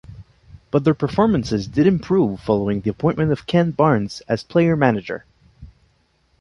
But their performances did improve following the appointment of Ken Barnes as player-manager.